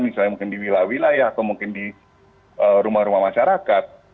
misalnya mungkin di wilayah wilayah atau mungkin di rumah rumah masyarakat